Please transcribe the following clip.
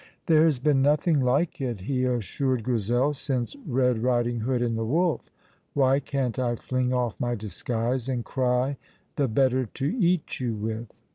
"There has been nothing like it," he assured Grizel, "since Red Riding hood and the wolf. Why can't I fling off my disguise and cry, 'The better to eat you with!'"